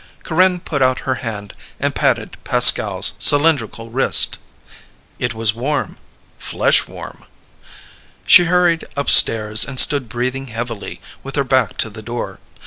Corinne put out her hand and patted Pascal's cylindrical wrist. It was warm flesh warm. She hurried upstairs and stood breathing heavily with her back to the door.